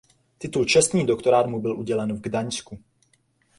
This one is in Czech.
Titul čestný doktorát mu byl udělen v Gdaňsku.